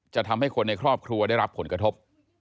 จะทำให้คนในครอบครัวได้รับผลกระทบ